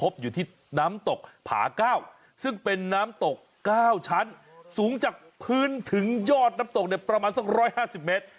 สูงจากพื้นถึงยอดน้ำตกเนี่ยประมาณสัก๑๕๐เมตร